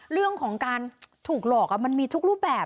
เรื่องของการถูกหลอกมันมีทุกรูปแบบ